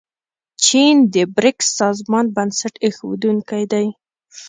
چین د بریکس سازمان بنسټ ایښودونکی دی.